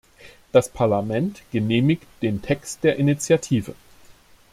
Das Parlament genehmigt den Text der Initiative.